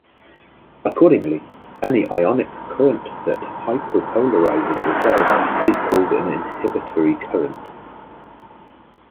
Accordingly, any ionic current that hyperpolarizes a cell is called an inhibitory current.